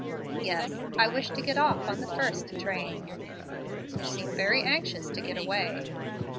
"Yes. I wish to get off on the first train." "You seem very anxious to get away."